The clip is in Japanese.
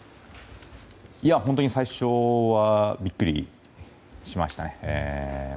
本当に最初はビックリしましたね。